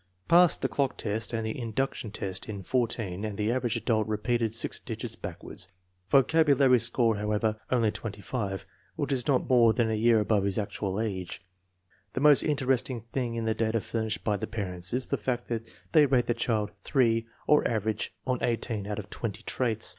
Passed the clock test and the induction test in 14, and in Average Adult repeated six digits backwards. Vocabulary score, however, only 25, which is not more than a year above his actual age. The most interesting thing in the data furnished by the parents is the fact that they rate the child 3, or average, on eighteen out of twenty traits.